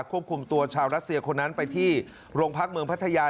ควบคุมตัวชาวรัสเซียคนนั้นไปที่โรงพักเมืองพัทยา